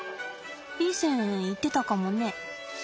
いい線いってたかもね。